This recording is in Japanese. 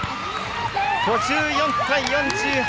５４対４８！